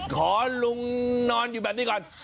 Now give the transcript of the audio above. ขอลุงนอนอยู่แบบนี้ก่อน